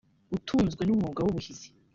utunzwe n’umwuga w’ubuhizi